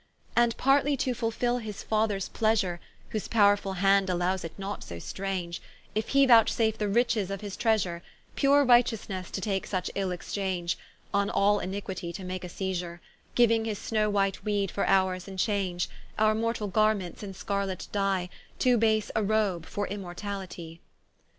And partly to fulfil his Fathers pleasure, Whose powrefull hand allowes it not so strange, If he vouchsafe the riches of his treasure, Pure Righteousnesse to take such il exchange; On all Iniquitie to make a seisure, Giuing his snow white Weed for ours in change; Our mortall garments in a scarlet Die, Too base a roabe for Immortalitie.